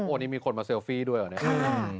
วันนี้มีคนมาเซลฟี่ด้วยเหรอเนี่ย